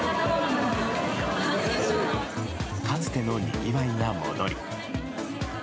かつてのにぎわいが戻り